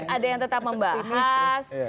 ada yang tetap membahas